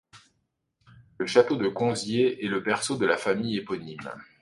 Le château de Conzié est le berceau de la famille éponyme.